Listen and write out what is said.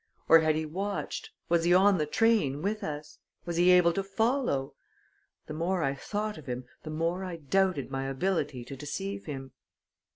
Or had he watched? Was he on the train with us? Was he able to follow? The more I thought of him, the more I doubted my ability to deceive him.